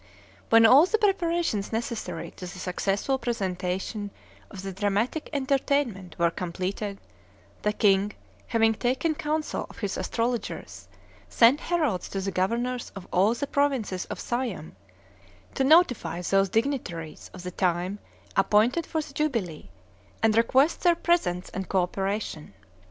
When all the preparations necessary to the successful presentation of the dramatic entertainment were completed, the king, having taken counsel of his astrologers, sent heralds to the governors of all the provinces of Siam, to notify those dignitaries of the time appointed for the jubilee, and request their presence and co operation.